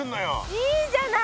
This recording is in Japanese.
いいじゃない！